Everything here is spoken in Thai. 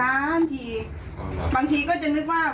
นึกว่าเสียงภูญาศาลภูญาเพื่อนจุดประทัดเขาเป็นคนดี